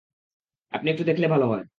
আপনি একটু দেখলে ভালো হয়।